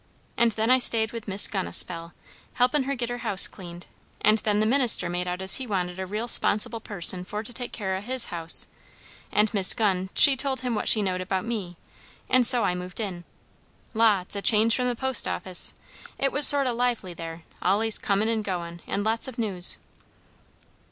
And then I stayed with Miss Gunn a spell, helpin' her get her house cleaned; and then the minister made out as he wanted a real 'sponsible person for to take care o' his house, and Miss Gunn she told him what she knowed about me; and so I moved in. La, it's a change from the post office! It was sort o' lively there; allays comin' and goin', and lots o' news."